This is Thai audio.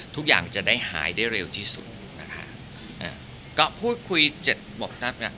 ทุกอย่างจะได้หายได้เร็วที่สุดนะคะอ่าก็พูดคุยเจ็ดบอกนับอ่ะ